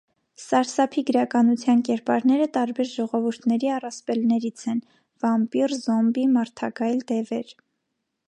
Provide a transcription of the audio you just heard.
Սարսափի գրականության կերպարները տարբեր ժողովուրդների առասպելներից են՝ վամպիր, զոմբի, մարդագայլ, դևեր։